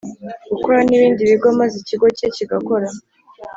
Gukora n ibindi bigo maze ikigo cye kigakora